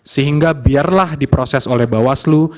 sehingga biarlah diproses oleh bawaslu